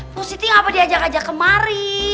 po siti ngapa diajak ajak kemari